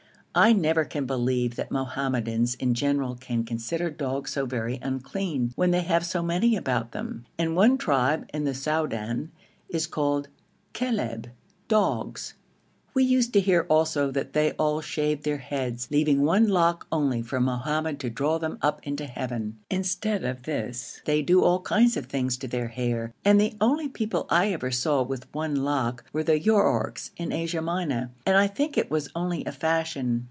I never can believe that Mohammedans in general can consider dogs so very unclean, when they have so many about them, and one tribe in the Soudan is called Kilab (dogs). We used to hear also that they all shaved their heads, leaving one lock only for Mohammed to draw them up into Heaven. Instead of this they do all kinds of things to their hair, and the only people I ever saw with one lock were the Yourouks in Asia Minor, and I think it was only a fashion.